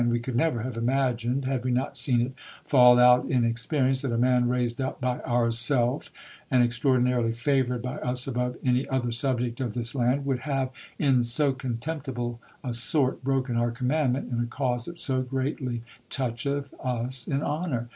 We could never have imagined, had we not seen it fall out in experience, that a man raised up by ourself, and extraordinarily favoured by us above any other subject of this land, would have in so contemptible a sort broken our commandment in a cause that so greatly toucheth us in honour